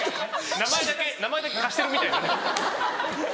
名前だけ名前だけ貸してるみたいなね。